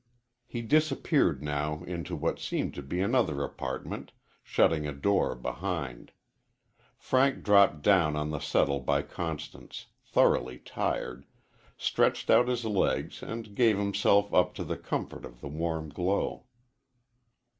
He disappeared now into what seemed to be another apartment, shutting a door behind. Frank dropped down on the settle by Constance, thoroughly tired, stretched out his legs, and gave himself up to the comfort of the warm glow.